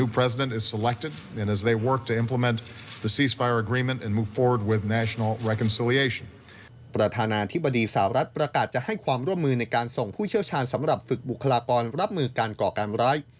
ประธานาธิบดีสาวรัฐประกาศจะให้ความร่วมมือในการส่งผู้เชี่ยวชาญสำหรับฝึกบุคลากรรับมือการก่อการร้าย